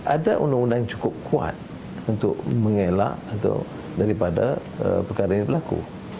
ada undang undang yang cukup kuat untuk mengelak atau daripada perkara ini pelaku